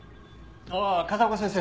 ああ風丘先生。